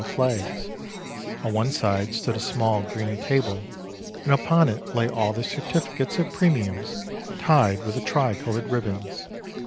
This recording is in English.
THE DISTRIBUTION OF PRIZES 179 flags ; on one side stood a small green table, and upon it lay all the certificates of premiums, tied with the tricolored ribbons.